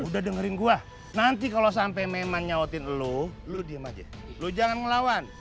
udah dengerin gua nanti kalau sampai memang nyawatin lu lu diem aja lu jangan melawan